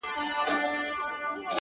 سبا چي راسي د سبــا له دره ولــوېږي!